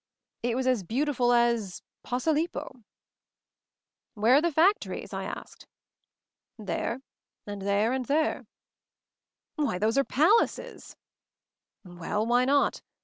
It was as beautiful as — Posilippo." "Where are the factories ?" I asked. "There — and there — and there." "Why, those are palaces l" "Well? Why not?